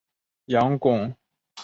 杨珙开始封为南昌郡公。